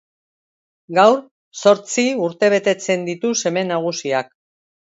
Gaur zortzi urte betetzen ditu seme nagusiak.